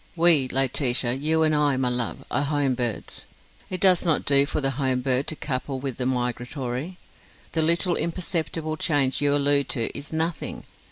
We, Laetitia, you and I, my love, are home birds. It does not do for the home bird to couple with the migratory. The little imperceptible change you allude to, is nothing.